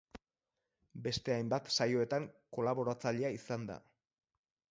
Beste hainbat saioetan kolaboratzailea izan da.